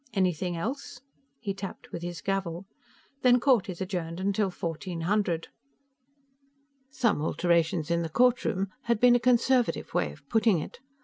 Anything else?" He tapped with his gavel. "Then court is adjourned until fourteen hundred." Some alterations in the courtroom had been a conservative way of putting it.